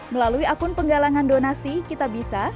melalui akun penggalangan donasi kita bisa